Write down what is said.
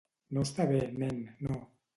No està bé, nen, no.